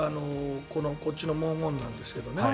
こっちの文言なんですけどね。